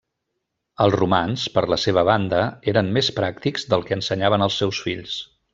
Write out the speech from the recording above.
Els romans, per la seva banda, eren més pràctics del que ensenyaven als seus fills.